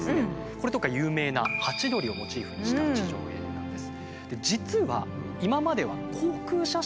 これとかは有名な「ハチドリ」をモチーフにした地上絵なんです。